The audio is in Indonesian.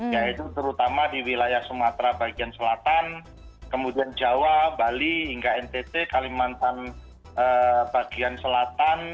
yaitu terutama di wilayah sumatera bagian selatan kemudian jawa bali hingga ntt kalimantan bagian selatan